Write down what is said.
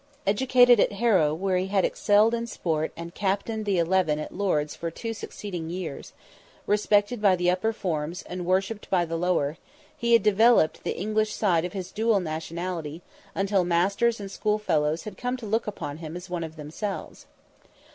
Educated at Harrow, where he had excelled in sport and captained the Eleven at Lord's for two succeeding years; respected by the upper Forms and worshipped by the lower, he had developed the English side of his dual nationality until masters and schoolfellows had come to look upon him as one of themselves.